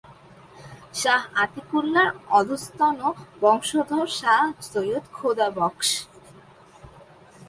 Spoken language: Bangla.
শাহ আতিকুল্লাহ‘র অধস্তন বংশধর শাহ সৈয়দ খোদাবখশ।